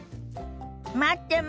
待ってます。